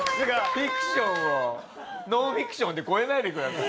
フィクションをノンフィクションで超えないでください。